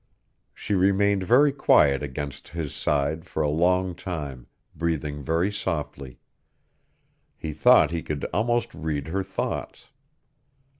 She remained very quiet against his side for a long time, breathing very softly. He thought he could almost read her thoughts....